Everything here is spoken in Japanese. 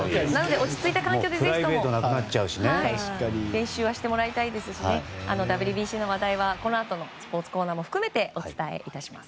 落ち着いた環境で練習はしてほしいですしＷＢＣの話題は、このあとのスポーツコーナーも含めてお伝えいたします。